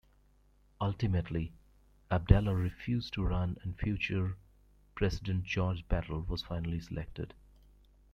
Ultimately, Abdala refused to run and future President Jorge Batlle was finally selected.